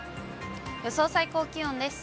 予想最高気温です。